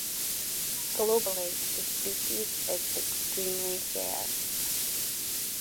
Globally, the species is extremely rare.